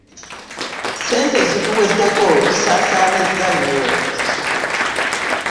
Ssente zituweddeko tusaasaanyizza nnyo.